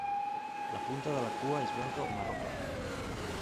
La punta de la cua és blanca o marró clar.